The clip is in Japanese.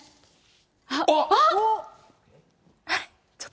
あっ！